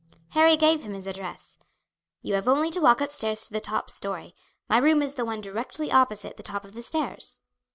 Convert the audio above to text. Harry gave him his address. "You have only to walk upstairs to the top story. My room is the one directly opposite the top of the stairs."